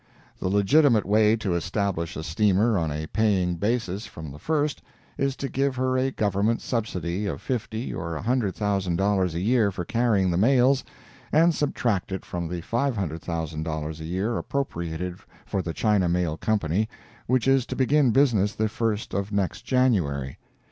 The legitimate way to establish a steamer on a paying basis from the first is to give her a Government subsidy of fifty or a hundred thousand dollars a year for carrying the mails, and subtract it from the $500,000 a year appropriated for the China Mail Company, which is to begin business the first of next January.